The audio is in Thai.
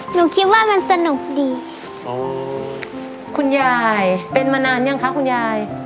หนูคิดว่ามันสนุกดีอ๋อคุณยายเป็นมานานยังคะคุณยาย